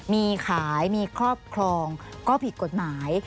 มีขายมีครอบครองก็ผิดกฎหมาย